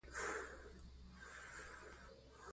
بې اختياره کارونه او خيالونه د پامه هېڅ کړي